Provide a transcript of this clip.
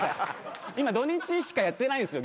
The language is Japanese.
今土日しかやってないんですよ